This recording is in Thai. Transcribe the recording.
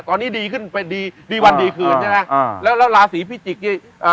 ตอนนี้ดีขึ้นเป็นดีดีวันดีคืนใช่ไหมอ่าแล้วแล้วราศีพิจิกนี่เอ่อ